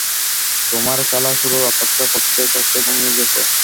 তোমার খেলা শুরুর অপেক্ষা করতে করতে ঘুমিয়ে গেছে।